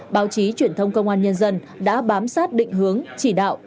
báo chí truyền thông công an nhân dân đã bám sát định hướng chỉ đạo